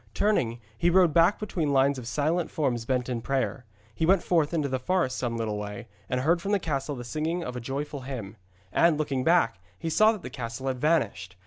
Turning, he rode back between lines of silent forms bent in prayer. He went forth into the forest some little way, and heard from the castle the singing of a joyful hymn. And, looking back, he saw that the castle had vanished.